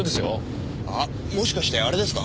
あっもしかしてあれですか？